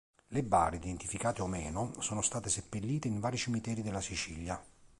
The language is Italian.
Le bare identificate o meno sono state seppellite in vari cimiteri della Sicilia.